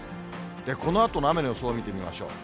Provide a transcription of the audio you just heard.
このあとの雨の予想を見てみましょう。